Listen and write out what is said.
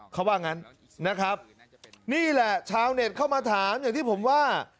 เขาว่างั้นนะครับนี่แหละชาวเน็ตเข้ามาถามอย่างที่ผมว่า